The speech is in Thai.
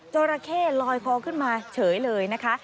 เจอร์ระเก้ลลอยคอขึ้นมาเฉยเลยนะคะ